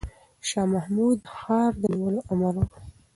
شاه محمود د ښار د نیولو امر وکړ.